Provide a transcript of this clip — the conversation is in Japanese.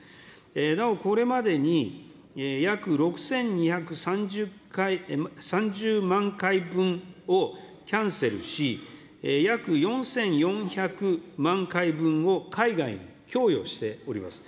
なおこれまでに約６２３０万回分をキャンセルし、約４４００万回分を海外に供与しております。